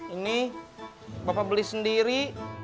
ini bapak beli sendiri